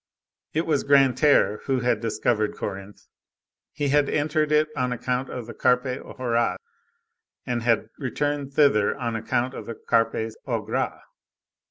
It was Grantaire who had discovered Corinthe. He had entered it on account of the Carpe horas, and had returned thither on account of the Carpes au gras.